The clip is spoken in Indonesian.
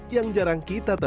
yang jarang kita mencari